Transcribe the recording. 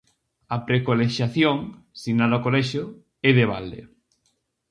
A "precolexiación", sinala o colexio, é de balde.